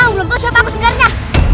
belum tahu siapa aku sebenarnya